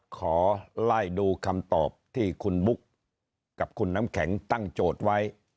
ขอไล่ดูคำตอบที่คุณบุ๊กกับคุณน้ำแข็งตั้งโจทย์ไว้